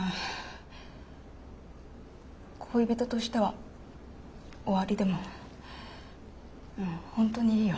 恋人としては終わりでもうん本当にいいよ。